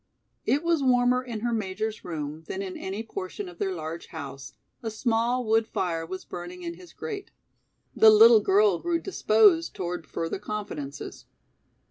It was warmer in her Major's room than in any portion of their large house; a small wood fire was burning in his grate. The little girl grew disposed toward further confidences.